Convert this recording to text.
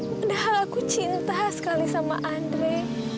mudah aku cinta sekali sama andre